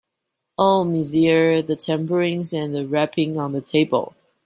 Oh, monsieur, the tambourines and the rapping on the table!